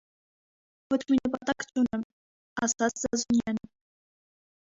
- Ոչ մի նպատակ չունեմ,- ասաց Զազունյանը: